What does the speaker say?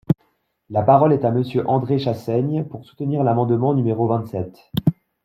La parole est à Monsieur André Chassaigne, pour soutenir l’amendement numéro vingt-sept.